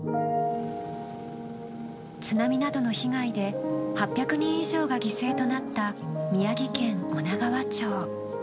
津波などの被害で８００人以上が犠牲となった宮城県女川町。